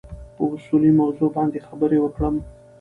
په اصلي موضوع باندې خبرې وکړم.